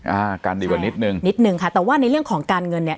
อ่าการดีกว่านิดนึงนิดนึงค่ะแต่ว่าในเรื่องของการเงินเนี่ย